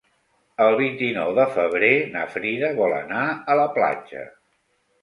El vint-i-nou de febrer na Frida vol anar a la platja.